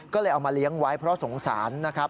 ก็เลยเอามาเลี้ยงไว้เพราะสงสารนะครับ